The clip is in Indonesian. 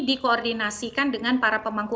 dikoordinasikan dengan para pemangku